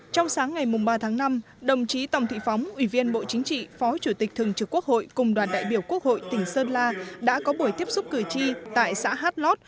trong sáng ngày ba tháng năm đồng chí tòng thị phóng ủy viên bộ chính trị phó chủ tịch thường trực quốc hội cùng đoàn đại biểu quốc hội tỉnh sơn la đã có buổi tiếp xúc cử tri tại xã hát lót